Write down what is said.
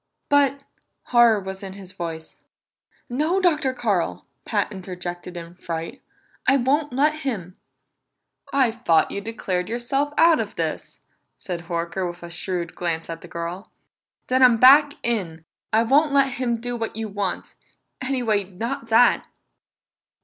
"But " Horror was in his voice. "No, Dr. Carl!" Pat interjected in fright. "I won't let him!" "I thought you declared yourself out of this," said Horker with a shrewd glance at the girl. "Then I'm back in it! I won't let him do what you want anyway, not that!"